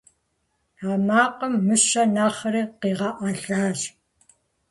А макъым мыщэр нэхъри къигъэӀэлащ.